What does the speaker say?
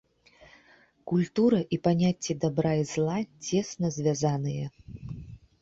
Культура і паняцці дабра і зла цесна звязаныя.